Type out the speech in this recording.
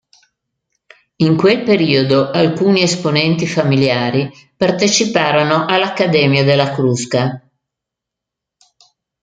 In quel periodo alcuni esponenti familiari parteciparono all'Accademia della Crusca.